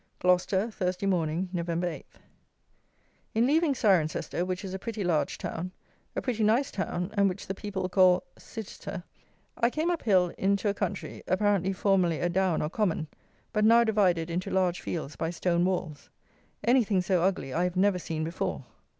Gloucester, Thursday (morning), Nov. 8. In leaving Cirencester, which is a pretty large town, a pretty nice town, and which the people call Cititer, I came up hill into a country, apparently formerly a down or common, but now divided into large fields by stone walls. Anything so ugly I have never seen before.